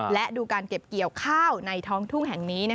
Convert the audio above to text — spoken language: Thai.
และดูการเก็บเกี่ยวข้าวในท้องทุ่งแห่งนี้